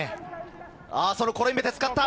そのコロインベテを使った。